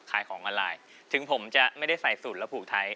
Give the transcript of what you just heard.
ขายของอลลายถึงผมจะไม่ได้ใส่สุดและผูกไทย